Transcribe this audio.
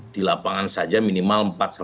di lapangan saja minimal empat lima